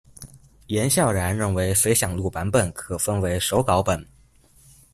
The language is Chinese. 闫笑然认为《随想录》版本可分为“手稿本”。